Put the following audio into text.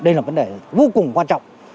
đây là vấn đề vô cùng quan trọng